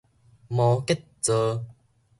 魔羯座